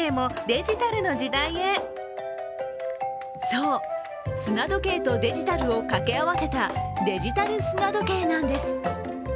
そう、砂時計とデジタルを掛け合わせたデジタル砂時計なんです。